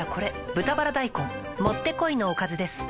「豚バラ大根」もってこいのおかずです